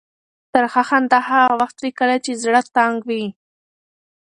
ترخه خندا هغه وخت وي کله چې زړه تنګ وي.